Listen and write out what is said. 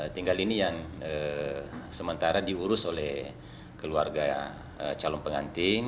tinggal ini yang sementara diurus oleh keluarga calon pengantin